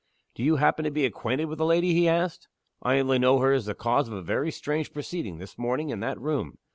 "Do you happen to be acquainted with the lady?" he asked "I only know her as the cause of a very strange proceeding, this morning, in that room."